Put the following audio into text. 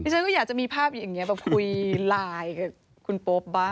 พี่ฉันก็อยากจะมีภาพแบบคุยไลน์กับคุณป๊อบบ้าง